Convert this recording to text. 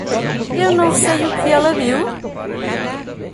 Eu não sei o que ela viu?